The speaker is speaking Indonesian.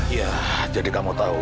ya jadi kamu tahu